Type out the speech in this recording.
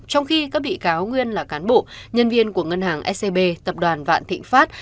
trong khi các bị cáo nguyên là cán bộ nhân viên của ngân hàng scb tập đoàn vạn thịnh pháp